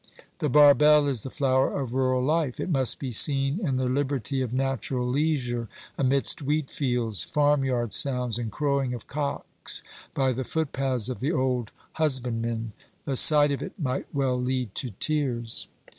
The barbel is the flower of rural life. It must be seen in the liberty of natural leisure, amidst wheatfields, farm yard sounds and crowing of cocks, by the footpaths of the old husbandmen. The sight of it might well lead to tears.